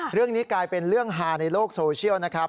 เรื่องนี้กลายเป็นเรื่องฮาในโลกโซเชียลนะครับ